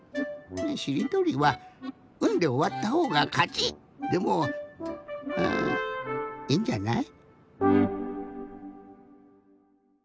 しりとりは「ん」でおわったほうがかちでもいいんじゃない？